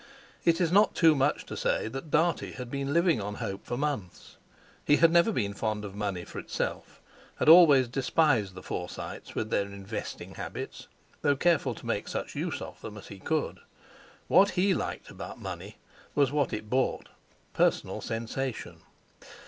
It is not too much to say that Dartie had been living on hope for months. He had never been fond of money for itself, had always despised the Forsytes with their investing habits, though careful to make such use of them as he could. What he liked about money was what it bought—personal sensation.